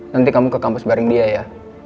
nanti kamu ke kampus baring dia ya